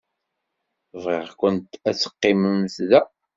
Bɣiɣ-kent ad teqqimemt da.